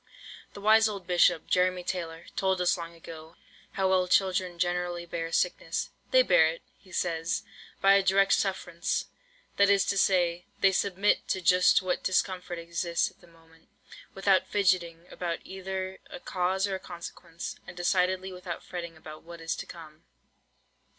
The wise old Bishop, Jeremy Taylor, told us long ago, how well children generally bear sickness. "They bear it," he says, "by a direct sufferance;" that is to say, they submit to just what discomfort exists at the moment, without fidgetting about either "a cause or a consequence," and decidedly without fretting about what is to come.